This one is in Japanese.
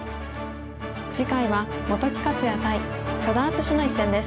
次回は本木克弥対佐田篤史の一戦です。